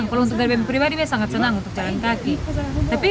kehidupan masyarakat ya